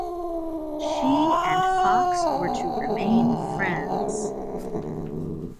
She and Fox were to remain friends.